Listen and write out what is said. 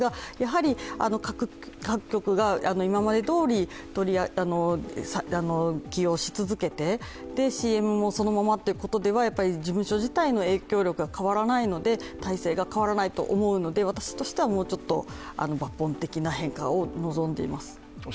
各局が今までどおり起用し続けて、ＣＭもそのままということでは、やっぱり事務所自体の影響力は変わらないので、体制が変わらないと思うので、私としてはもうちょっと抜本的な変化を望んでいます。